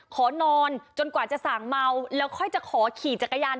ขอนอนจนกว่าจะสั่งเมาแล้วค่อยจะขอขี่จักรยาน